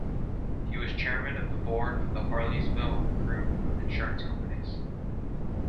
He was Chairman of the Board of the Harleysville Group of Insurance Companies.